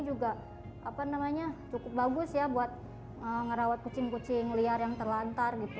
juga apa namanya cukup bagus ya buat ngerawat kucing kucing liar yang terlantar gitu lima tahun